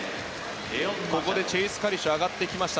チェイス・カリシュが上がってきました。